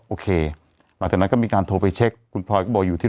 โอเคหลังจากนั้นก็มีการโทรไปเช็คคุณพลอยก็บอกอยู่ที่